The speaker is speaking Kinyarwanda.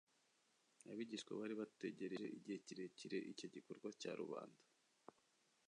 Abigishwa bari bategereje igihe kirekire icyo gikorwa cya rubanda,